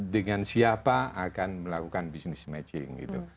dengan siapa akan melakukan business matching gitu